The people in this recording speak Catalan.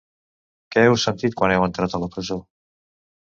Què heu sentit quan heu entrat a la presó?